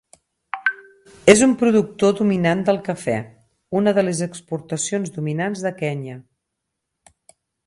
És un productor dominant del cafè, una de les exportacions dominants de Kenya.